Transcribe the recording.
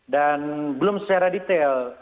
dan belum secara detail